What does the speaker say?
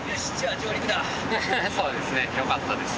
そうですねよかったです。